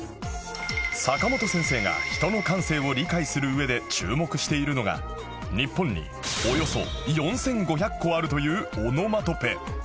坂本先生が人の感性を理解するうえで注目しているのが日本におよそ４５００個あるというオノマトペ